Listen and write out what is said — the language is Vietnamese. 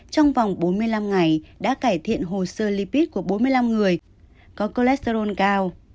trong vòng bốn mươi năm ngày đã cải thiện hồ sơ lipid của bốn mươi năm người có cholesterol cao